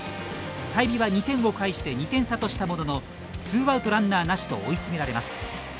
済美は２点を返して２点差としたもののツーアウトランナーなしと追い詰められます。